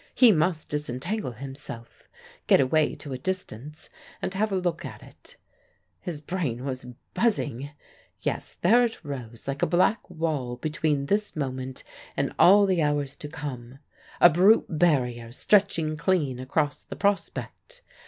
He must disentangle himself, get away to a distance and have a look at it. His brain was buzzing. Yes, there it rose, like a black wall between this moment and all the hours to come; a brute barrier stretching clean across the prospect.